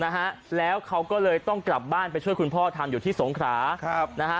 นะฮะแล้วเขาก็เลยต้องกลับบ้านไปช่วยคุณพ่อทำอยู่ที่สงขราครับนะฮะ